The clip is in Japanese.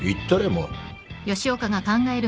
もう。